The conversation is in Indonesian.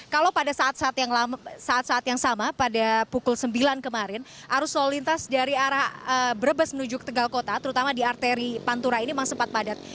kalau pada saat saat yang sama pada pukul sembilan kemarin arus lalu lintas dari arah brebes menuju ke tegal kota terutama di arteri pantura ini memang sempat padat